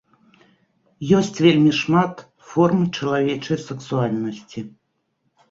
Ёсць вельмі шмат форм чалавечай сексуальнасці.